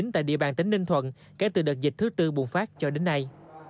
tại địa bàn tỉnh ninh thuận kể từ đợt dịch thứ tư bùng phát cho đến nay